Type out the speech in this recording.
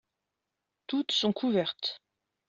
Toutes sont couvertes.